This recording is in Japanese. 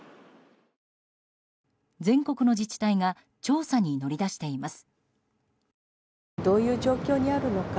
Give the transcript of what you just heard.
全国の自治体が調査に乗り出しています。